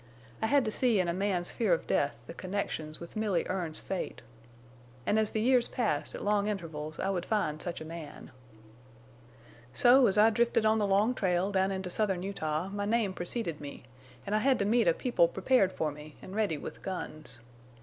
I had to see in a man's fear of death the connections with Milly Erne's fate. An' as the years passed at long intervals I would find such a man. "So as I drifted on the long trail down into southern Utah my name preceded me, an' I had to meet a people prepared for me, an' ready with guns.